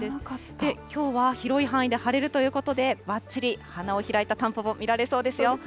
きょうは広い範囲で晴れるということで、ばっちり花を開いたタンポポ、見られそうですよ。